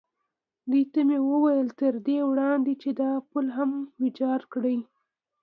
دوی ته مې وویل: تر دې وړاندې چې دا پل هم ویجاړ کړي.